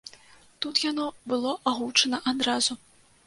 Тут яно было агучана адразу.